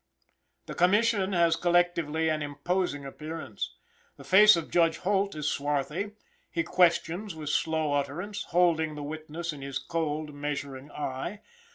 The commission has collectively an imposing appearance: the face of Judge Holt is swarthy; he questions with slow utterance, holding the witness in his cold, measuring eye.